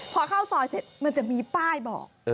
พอเข้าซอยเสร็จมันจะมีป้ายบอก